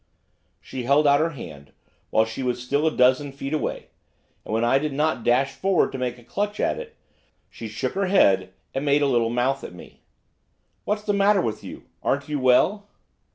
She held out her hand, while she was still a dozen feet away, and when I did not at once dash forward to make a clutch at it, she shook her head and made a little mouth at me. 'What's the matter with you? Aren't you well?